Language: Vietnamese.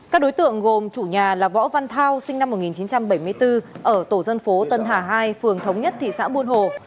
các đối tượng gồm chủ nhà là võ văn thao sinh năm một nghìn chín trăm bảy mươi bốn ở tổ dân phố tân hà hai phường thống nhất thị xã buôn hồ